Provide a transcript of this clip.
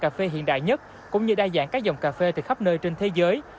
cà phê hiện đại nhất cũng như đa dạng các dòng cà phê từ khắp nơi trên thế giới